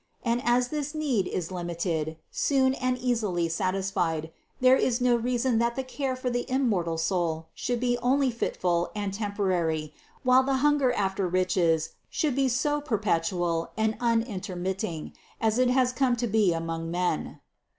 And as this need is limited, soon and easily satisfied, there is no reason that the care for the immortal soul should be only fitful and temporary, while the hunger after riches should be so per petual and unintermitting, as it has come to be among men.